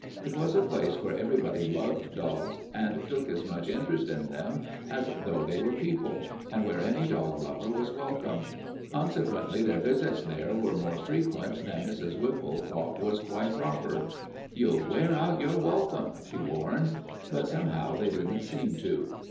It was a place where everybody loved dogs and took as much interest in them as though they were people, and where any dog lover was welcome. Consequently, their visits there were more frequent than Mrs. Whipple thought was quite proper. "You'll wear out your welcome," she warned. But somehow they didn't seem to.